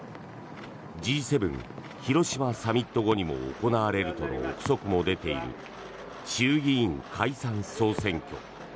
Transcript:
Ｇ７広島サミット後にも行われるとの臆測も出ている衆議院解散・総選挙。